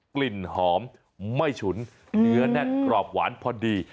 กลิ่นหอมไม่ฉุนเนื้อแน่นกรอบหวานพอดี